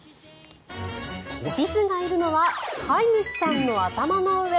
リスがいるのは飼い主さんの頭の上。